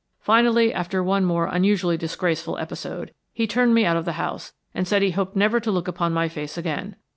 Finally, after one more unusually disgraceful episode, he turned me out of the house, and said he hoped never to look upon my face again.